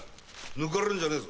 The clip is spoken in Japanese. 抜かるんじゃねえぞ。